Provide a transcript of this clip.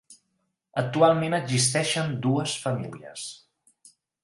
Actualment existeixen dues famílies.